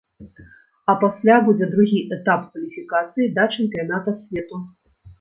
А пасля будзе другі этап кваліфікацыі да чэмпіянату свету.